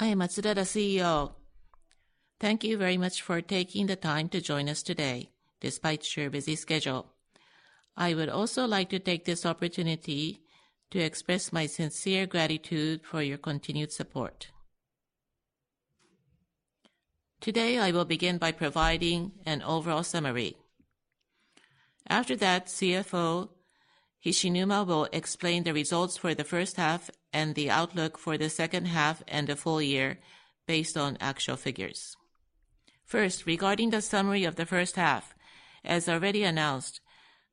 Hi, Matsuda, CEO. Thank you very much for taking the time to join us today, despite your busy schedule. I would also like to take this opportunity to express my sincere gratitude for your continued support. Today, I will begin by providing an overall summary. After that, CFO Hishinuma will explain the results for the first half and the outlook for the second half and the full year based on actual figures. First, regarding the summary of the first half, as already announced,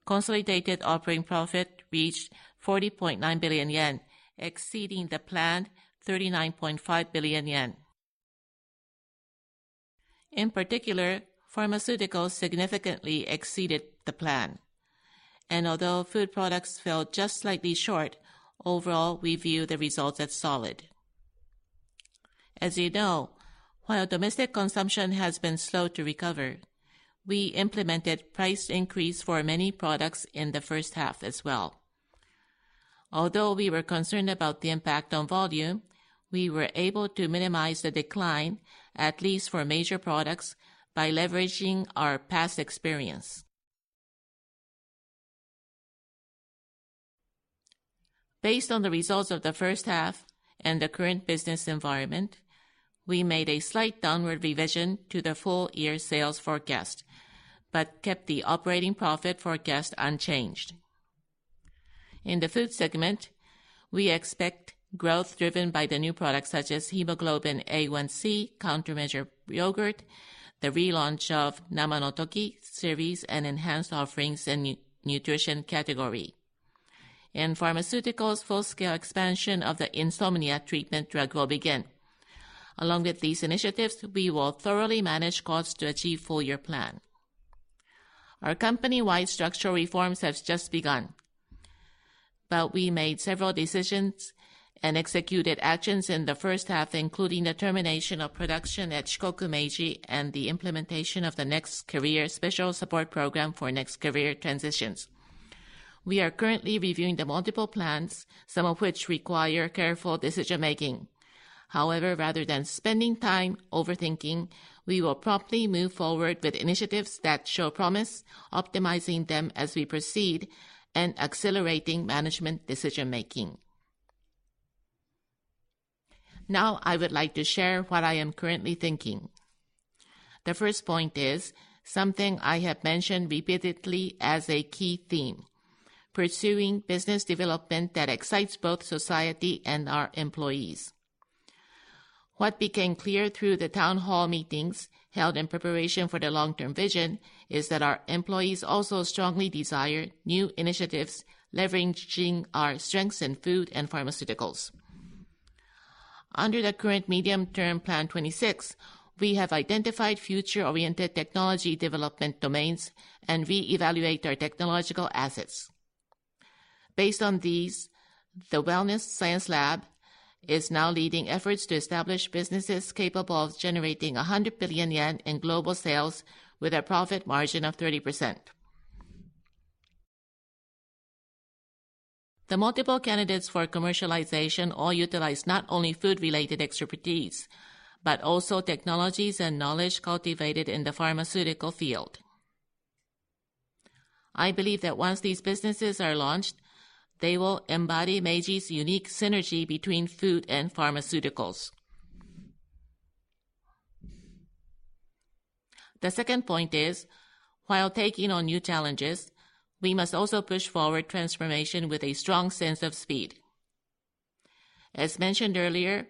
consolidated operating profit reached 40.9 billion yen, exceeding the planned 39.5 billion yen. In particular, pharmaceuticals significantly exceeded the plan. Although food products fell just slightly short, overall, we view the results as solid. As you know, while domestic consumption has been slow to recover, we implemented price increases for many products in the first half as well. Although we were concerned about the impact on volume, we were able to minimize the decline, at least for major products, by leveraging our past experience. Based on the results of the first half and the current business environment, we made a slight downward revision to the full-year sales forecast but kept the operating profit forecast unchanged. In the food segment, we expect growth driven by the new products such as Hemoglobin A1C Yogurt, the relaunch of NAMANOTOKI Series, and enhanced offerings in the nutrition category. In pharmaceuticals, full-scale expansion of the insomnia treatment drug will begin. Along with these initiatives, we will thoroughly manage costs to achieve the full-year plan. Our company-wide structural reforms have just begun, but we made several decisions and executed actions in the first half, including the termination of production at Shikoku Meiji and the implementation of the Next Career Special Support Program for next career transitions. We are currently reviewing the multiple plans, some of which require careful decision-making. However, rather than spending time overthinking, we will promptly move forward with initiatives that show promise, optimizing them as we proceed and accelerating management decision-making. Now, I would like to share what I am currently thinking. The first point is something I have mentioned repeatedly as a key theme: pursuing business development that excites both society and our employees. What became clear through the town hall meetings held in preparation for the long-term vision is that our employees also strongly desire new initiatives leveraging our strengths in food and pharmaceuticals. Under the current medium-term plan 26, we have identified future-oriented technology development domains and reevaluated our technological assets. Based on these, the Wellness Science Lab is now leading efforts to establish businesses capable of generating 100 billion yen in global sales with a profit margin of 30%. The multiple candidates for commercialization all utilize not only food-related expertise but also technologies and knowledge cultivated in the pharmaceutical field. I believe that once these businesses are launched, they will embody Meiji's unique synergy between food and pharmaceuticals. The second point is, while taking on new challenges, we must also push forward transformation with a strong sense of speed. As mentioned earlier,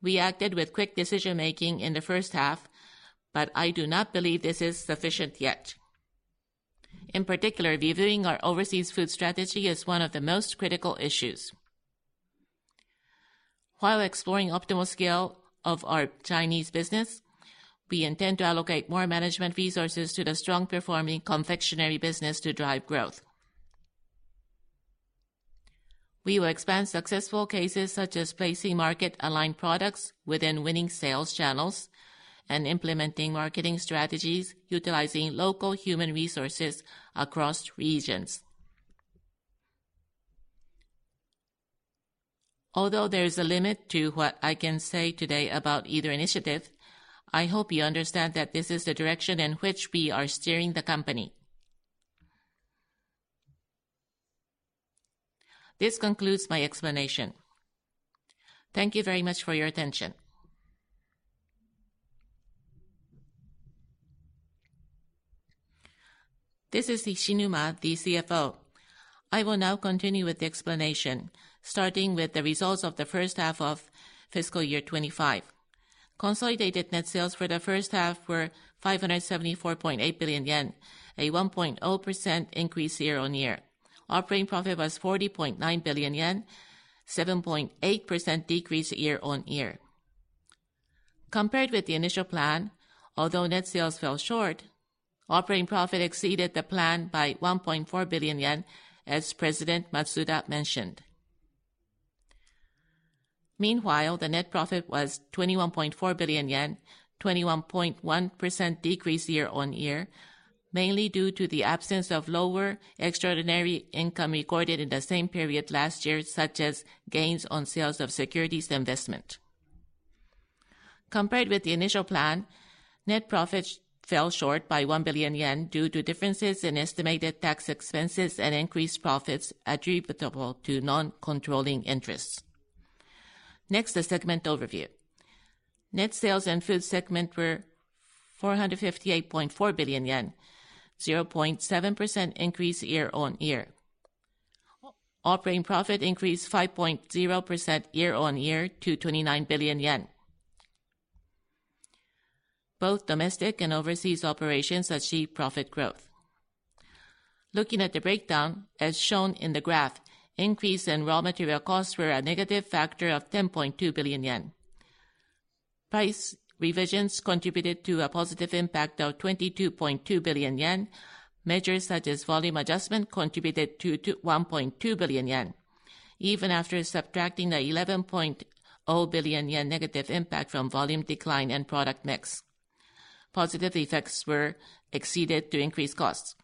we acted with quick decision-making in the first half, but I do not believe this is sufficient yet. In particular, reviewing our overseas food strategy is one of the most critical issues. While exploring optimal scale of our Chinese business, we intend to allocate more management resources to the strong-performing confectionery business to drive growth. We will expand successful cases such as placing market-aligned products within winning sales channels and implementing marketing strategies utilizing local human resources across regions. Although there is a limit to what I can say today about either initiative, I hope you understand that this is the direction in which we are steering the company. This concludes my explanation. Thank you very much for your attention. This is Hishinuma, the CFO. I will now continue with the explanation, starting with the results of the first half of fiscal year 2025. Consolidated net sales for the first half were 574.8 billion yen, a 1.0% increase year-on-year. Operating profit was 40.9 billion yen, a 7.8% decrease year-on-year. Compared with the initial plan, although net sales fell short, operating profit exceeded the plan by 1.4 billion yen, as President Matsuda mentioned. Meanwhile, the net profit was 21.4 billion yen, a 21.1% decrease year-on-year, mainly due to the absence of lower extraordinary income recorded in the same period last year, such as gains on sales of securities investment. Compared with the initial plan, net profit fell short by 1 billion yen due to differences in estimated tax expenses and increased profits attributable to non-controlling interests. Next, the segment overview. Net sales in the food segment were 458.4 billion yen, a 0.7% increase year-on-year. Operating profit increased 5.0% year-on-year to JPY 29 billion. Both domestic and overseas operations achieved profit growth. Looking at the breakdown, as shown in the graph, increase in raw material costs were a negative factor of 10.2 billion yen. Price revisions contributed to a positive impact of 22.2 billion yen. Measures such as volume adjustment contributed to 1.2 billion yen, even after subtracting the 11.0 billion yen negative impact from volume decline and product mix. Positive effects were exceeded to increase costs.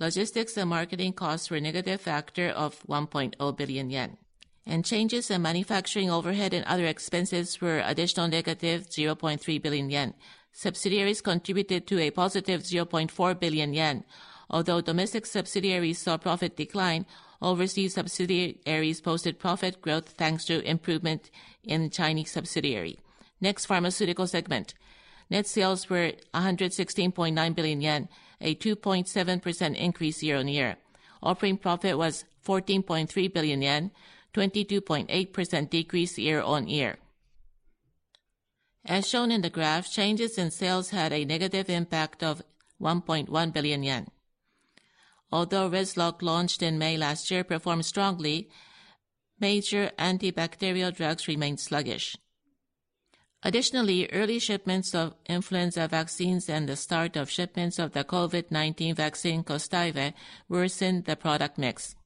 Logistics and marketing costs were a negative factor of 1.0 billion yen. Changes in manufacturing overhead and other expenses were additional negative 0.3 billion yen. Subsidiaries contributed to a positive 0.4 billion yen. Although domestic subsidiaries saw profit decline, overseas subsidiaries posted profit growth thanks to improvement in Chinese subsidiary. Next, the pharmaceutical segment. Net sales were 116.9 billion yen, a 2.7% increase year-on-year. Operating profit was 14.3 billion yen, a 22.8% decrease year-on-year. As shown in the graph, changes in sales had a negative impact of 1.1 billion yen. Although Rezurock launched in May last year performed strongly, major antibacterial drugs remained sluggish. Additionally, early shipments of influenza vaccines and the start of shipments of the COVID-19 vaccine Kostaive worsened the product mix.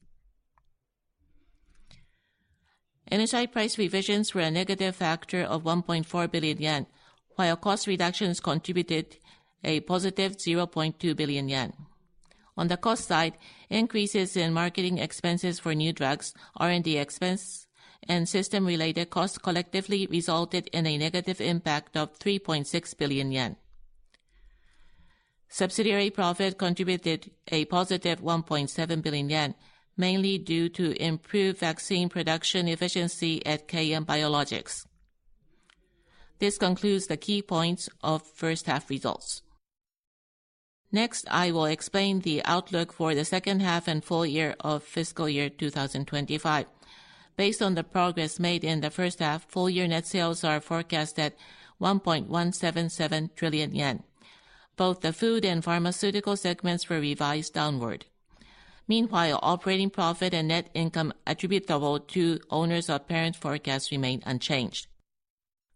Energy price revisions were a negative factor of 1.4 billion yen, while cost reductions contributed a positive 0.2 billion yen. On the cost side, increases in marketing expenses for new drugs, R&D expenses, and system-related costs collectively resulted in a negative impact of 3.6 billion yen. Subsidiary profit contributed a positive 1.7 billion yen, mainly due to improved vaccine production efficiency at KM Biologics. This concludes the key points of the first half results. Next, I will explain the outlook for the second half and full year of fiscal year 2025. Based on the progress made in the first half, full-year net sales are forecast at 1.177 trillion yen. Both the food and pharmaceutical segments were revised downward. Meanwhile, operating profit and net income attributable to owners of parent forecasts remain unchanged.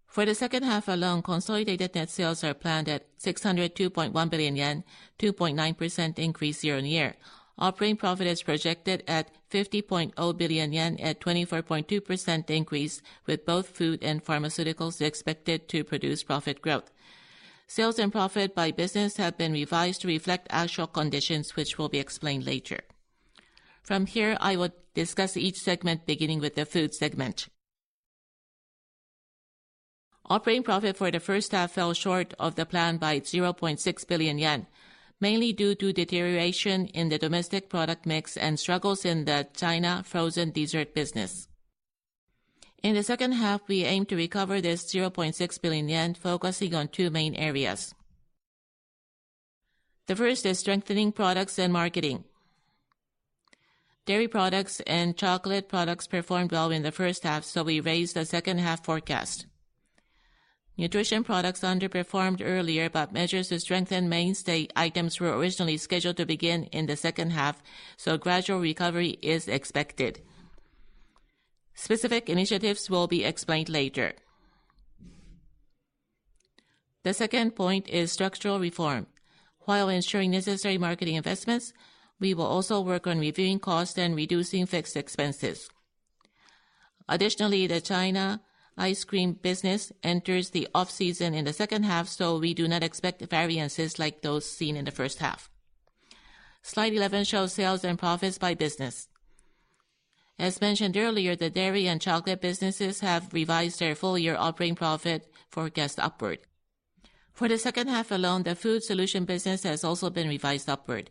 For the second half alone, consolidated net sales are planned at 602.1 billion yen, a 2.9% increase year-on-year. Operating profit is projected at 50.0 billion yen, a 24.2% increase, with both food and pharmaceuticals expected to produce profit growth. Sales and profit by business have been revised to reflect actual conditions, which will be explained later. From here, I will discuss each segment, beginning with the food segment. Operating profit for the first half fell short of the plan by 0.6 billion yen, mainly due to deterioration in the domestic product mix and struggles in the China frozen dessert business. In the second half, we aim to recover this 0.6 billion yen, focusing on two main areas. The first is strengthening products and marketing. Dairy products and chocolate products performed well in the first half, so we raised the second half forecast. Nutrition products underperformed earlier, but measures to strengthen mainstay items were originally scheduled to begin in the second half, so gradual recovery is expected. Specific initiatives will be explained later. The second point is structural reform. While ensuring necessary marketing investments, we will also work on reviewing costs and reducing fixed expenses. Additionally, the China ice cream business enters the off-season in the second half, so we do not expect variances like those seen in the first half. Slide 11 shows sales and profits by business. As mentioned earlier, the dairy and chocolate businesses have revised their full-year operating profit forecast upward. For the second half alone, the food solution business has also been revised upward,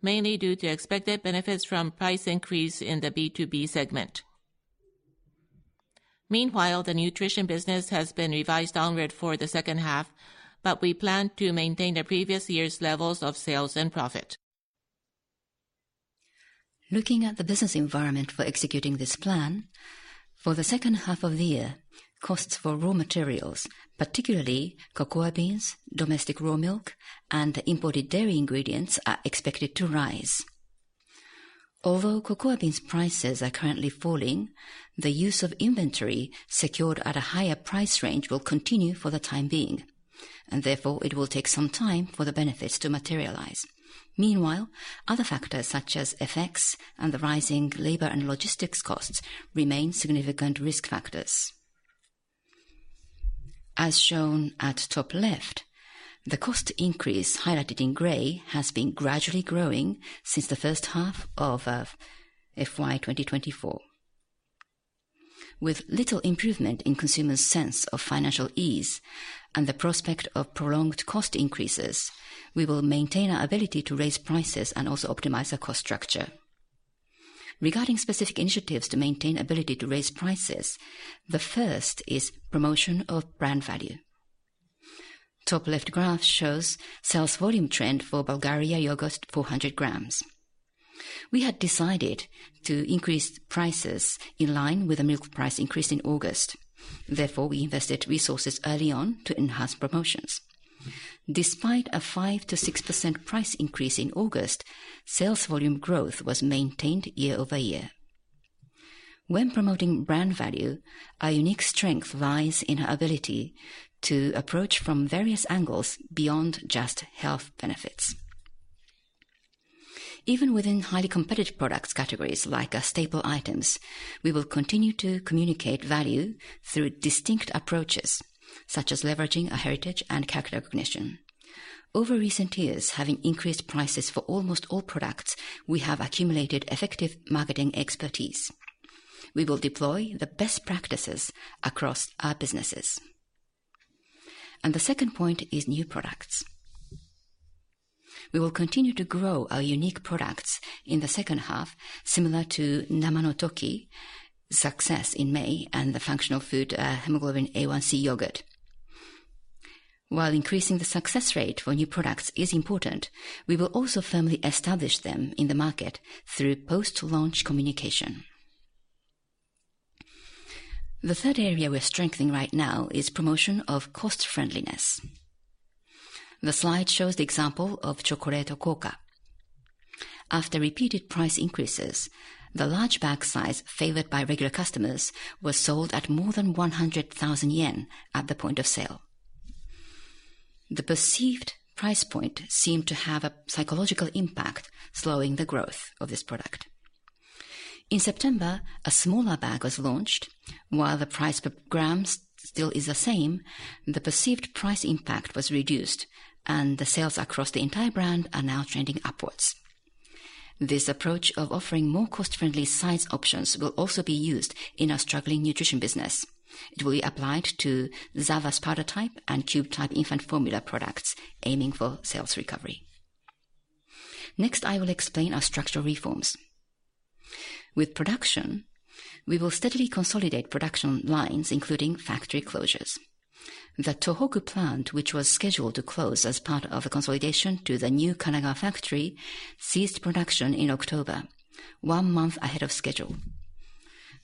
mainly due to expected benefits from price increase in the B2B segment. Meanwhile, the nutrition business has been revised downward for the second half, but we plan to maintain the previous year's levels of sales and profit. Looking at the business environment for executing this plan, for the second half of the year, costs for raw materials, particularly cocoa beans, domestic raw milk, and imported dairy ingredients, are expected to rise. Although cocoa beans prices are currently falling, the use of inventory secured at a higher price range will continue for the time being, and therefore it will take some time for the benefits to materialize. Meanwhile, other factors such as FX and the rising labor and logistics costs remain significant risk factors. As shown at the top left, the cost increase highlighted in gray has been gradually growing since the first half of FY 2024. With little improvement in consumers' sense of financial ease and the prospect of prolonged cost increases, we will maintain our ability to raise prices and also optimize our cost structure. Regarding specific initiatives to maintain the ability to raise prices, the first is promotion of brand value. The top left graph shows the sales volume trend for Bulgaria Yogurt 400 g. We had decided to increase prices in line with the milk price increase in August, therefore, we invested resources early on to enhance promotions. Despite a 5%-6% price increase in August, sales volume growth was maintained year-over-year. When promoting brand value, our unique strength lies in our ability to approach from various angles beyond just health benefits. Even within highly competitive product categories like staple items, we will continue to communicate value through distinct approaches, such as leveraging our heritage and character recognition. Over recent years, having increased prices for almost all products, we have accumulated effective marketing expertise. We will deploy the best practices across our businesses. The second point is new products. We will continue to grow our unique products in the second half, similar to NAMANOTOKI Series' success in May and the functional food Hemoglobin A1C Yogurt. While increasing the success rate for new products is important, we will also firmly establish them in the market through post-launch communication. The third area we are strengthening right now is promotion of cost-friendliness. The slide shows the example of Chocolato Coca. After repeated price increases, the large bag size favored by regular customers was sold at more than 100,000 yen at the point of sale. The perceived price point seemed to have a psychological impact, slowing the growth of this product. In September, a smaller bag was launched. While the price per gram still is the same, the perceived price impact was reduced, and the sales across the entire brand are now trending upwards. This approach of offering more cost-friendly size options will also be used in our struggling nutrition business. It will be applied to Zava Sparter type and Cube type infant formula products, aiming for sales recovery. Next, I will explain our structural reforms. With production, we will steadily consolidate production lines, including factory closures. The Tohoku plant, which was scheduled to close as part of a consolidation to the new Kanagawa factory, ceased production in October, one month ahead of schedule.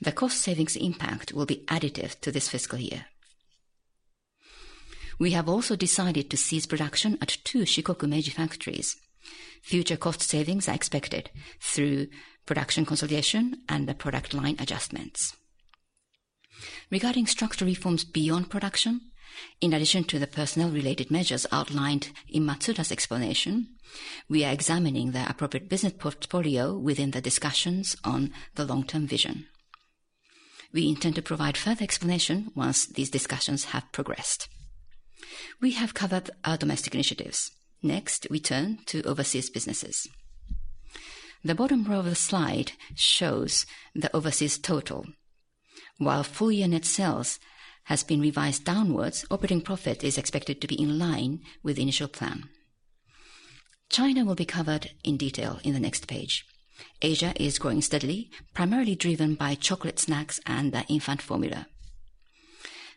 The cost savings impact will be additive to this fiscal year. We have also decided to cease production at two Shikoku Meiji factories. Future cost savings are expected through production consolidation and the product line adjustments. Regarding structural reforms beyond production, in addition to the personnel-related measures outlined in Matsuda's explanation, we are examining the appropriate business portfolio within the discussions on the long-term vision. We intend to provide further explanation once these discussions have progressed. We have covered our domestic initiatives. Next, we turn to overseas businesses. The bottom row of the slide shows the overseas total. While full-year net sales has been revised downwards, operating profit is expected to be in line with the initial plan. China will be covered in detail in the next page. Asia is growing steadily, primarily driven by chocolate snacks and the infant formula.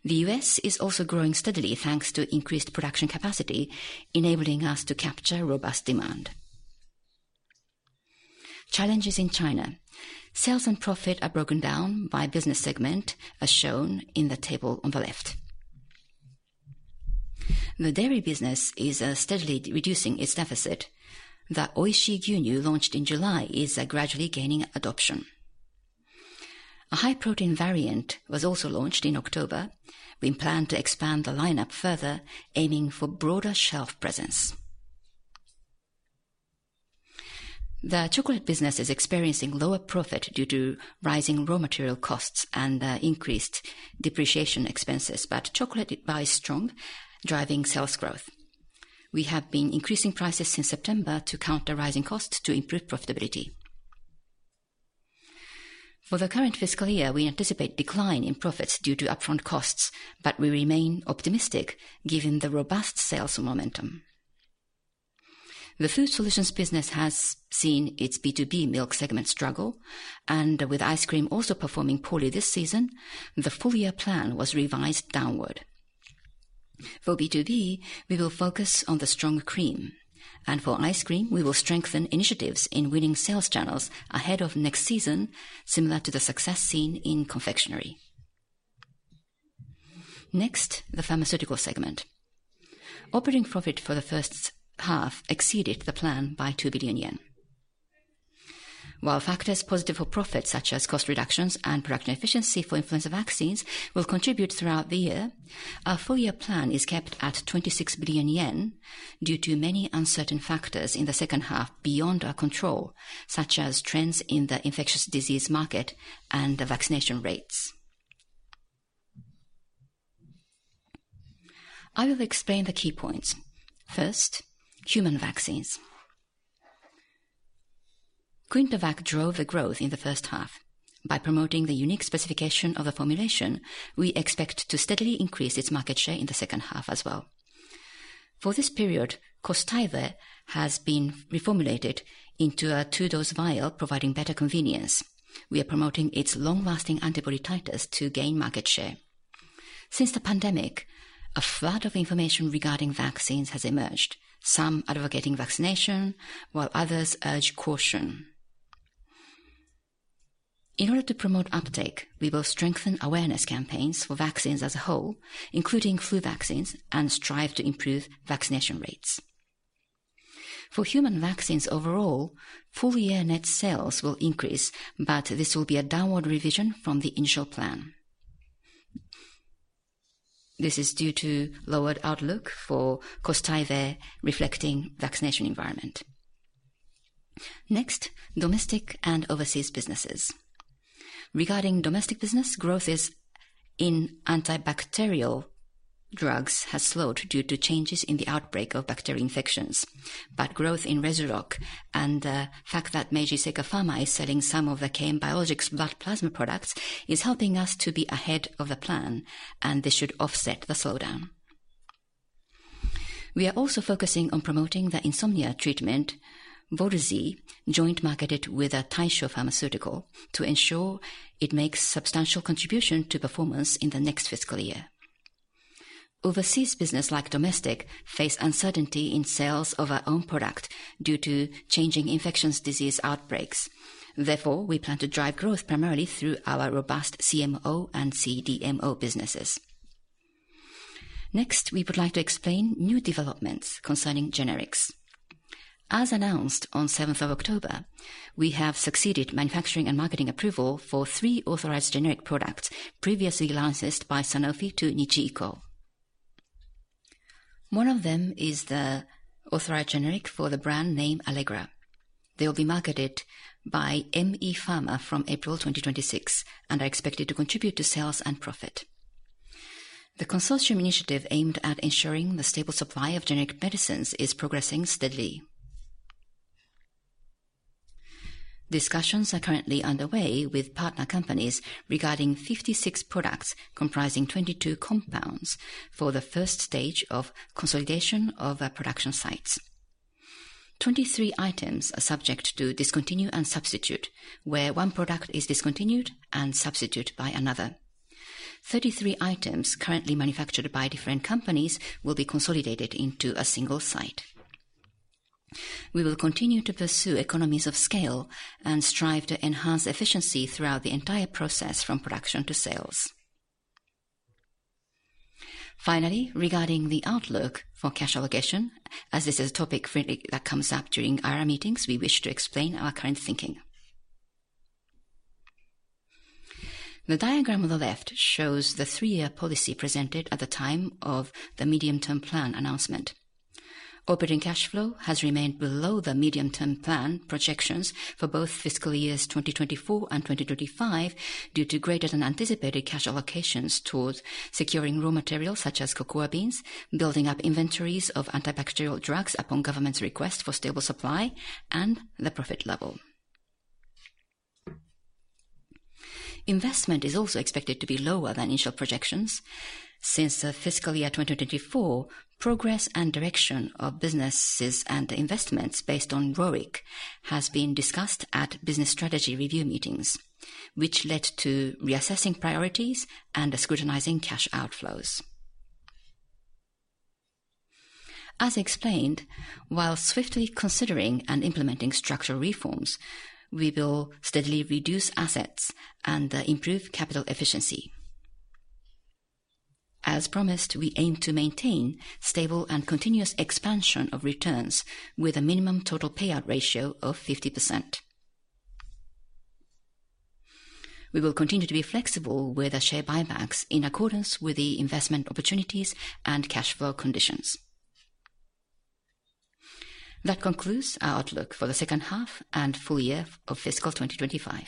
The U.S. is also growing steadily thanks to increased production capacity, enabling us to capture robust demand. Challenges in China. Sales and profit are broken down by business segment, as shown in the table on the left. The dairy business is steadily reducing its deficit. The Oishii Gyunyu, launched in July, is gradually gaining adoption. A high-protein variant was also launched in October. We plan to expand the lineup further, aiming for broader shelf presence. The chocolate business is experiencing lower profit due to rising raw material costs and increased depreciation expenses, but chocolate buys strong, driving sales growth. We have been increasing prices since September to counter rising costs to improve profitability. For the current fiscal year, we anticipate a decline in profits due to upfront costs, but we remain optimistic given the robust sales momentum. The food solutions business has seen its B2B milk segment struggle, and with ice cream also performing poorly this season, the full-year plan was revised downward. For B2B, we will focus on the strong cream, and for ice cream, we will strengthen initiatives in winning sales channels ahead of next season, similar to the success seen in confectionery. Next, the pharmaceutical segment. Operating profit for the first half exceeded the plan by 2 billion yen. While factors positive for profit, such as cost reductions and production efficiency for influenza vaccines, will contribute throughout the year, our full-year plan is kept at 26 billion yen due to many uncertain factors in the second half beyond our control, such as trends in the infectious disease market and the vaccination rates. I will explain the key points. First, human vaccines. QuintaVac drove the growth in the first half. By promoting the unique specification of the formulation, we expect to steadily increase its market share in the second half as well. For this period, Kostaive has been reformulated into a two-dose vial, providing better convenience. We are promoting its long-lasting antibody titers to gain market share. Since the pandemic, a flood of information regarding vaccines has emerged, some advocating vaccination, while others urge caution. In order to promote uptake, we will strengthen awareness campaigns for vaccines as a whole, including flu vaccines, and strive to improve vaccination rates. For human vaccines overall, full-year net sales will increase, but this will be a downward revision from the initial plan. This is due to a lowered outlook for Kostaive reflecting the vaccination environment. Next, domestic and overseas businesses. Regarding domestic business, growth in antibacterial drugs has slowed due to changes in the outbreak of bacterial infections, but growth in Rezurock and the fact that Meiji Seika Pharma is selling some of the KM Biologics blood plasma products is helping us to be ahead of the plan, and this should offset the slowdown. We are also focusing on promoting the insomnia treatment, Vorazi, joint-marketed with Taisho Pharmaceutical, to ensure it makes a substantial contribution to performance in the next fiscal year. Overseas business, like domestic, face uncertainty in sales of our own product due to changing infectious disease outbreaks. Therefore, we plan to drive growth primarily through our robust CMO and CDMO businesses. Next, we would like to explain new developments concerning generics. As announced on 7 October, we have succeeded in manufacturing and marketing approval for three authorized generic products previously licensed by Sanofi to Nichi-Iko. One of them is the authorized generic for the brand name Allegra. They will be marketed by ME Pharma from April 2026 and are expected to contribute to sales and profit. The consortium initiative aimed at ensuring the stable supply of generic medicines is progressing steadily. Discussions are currently underway with partner companies regarding 56 products comprising 22 compounds for the first stage of consolidation of production sites. Twenty-three items are subject to discontinue and substitute, where one product is discontinued and substituted by another. Thirty-three items currently manufactured by different companies will be consolidated into a single site. We will continue to pursue economies of scale and strive to enhance efficiency throughout the entire process from production to sales. Finally, regarding the outlook for cash allocation, as this is a topic that comes up during our meetings, we wish to explain our current thinking. The diagram on the left shows the three-year policy presented at the time of the medium-term plan announcement. Operating cash flow has remained below the medium-term plan projections for both fiscal years 2024 and 2025 due to greater-than-anticipated cash allocations towards securing raw materials such as cocoa beans, building up inventories of antibacterial drugs upon government's request for stable supply, and the profit level. Investment is also expected to be lower than initial projections. Since the fiscal year 2024, progress and direction of businesses and investments based on ROIC has been discussed at business strategy review meetings, which led to reassessing priorities and scrutinizing cash outflows. As explained, while swiftly considering and implementing structural reforms, we will steadily reduce assets and improve capital efficiency. As promised, we aim to maintain stable and continuous expansion of returns with a minimum total payout ratio of 50%. We will continue to be flexible with share buybacks in accordance with the investment opportunities and cash flow conditions. That concludes our outlook for the second half and full year of fiscal 2025.